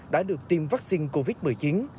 đã được tiêm vaccine covid một mươi chín